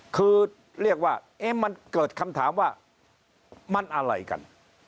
คือเรียกว่ามันเกิดคำถามว่ามันอะไรกัน